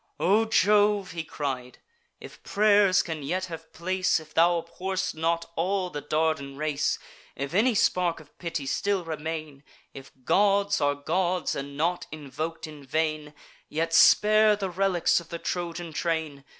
"O Jove," he cried, "if pray'rs can yet have place; If thou abhorr'st not all the Dardan race; If any spark of pity still remain; If gods are gods, and not invok'd in vain; Yet spare the relics of the Trojan train!